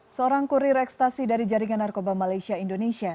seorang kurir ekstasi dari jaringan narkoba malaysia indonesia